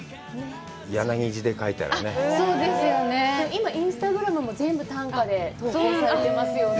今、インスタグラムも全部短歌で投稿されてますよね。